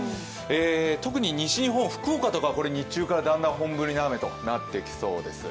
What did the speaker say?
特に西日本、福岡とかは日中から本降りの雨になってきそうです。